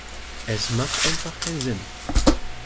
Es macht einfach keinen Sinn.